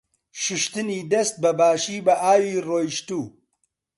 شوشتنی دەست بە باشی بە ئاوی ڕۆیشتوو.